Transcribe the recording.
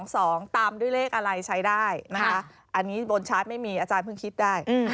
สองตามด้วยเลขอะไรใช้ได้นะคะ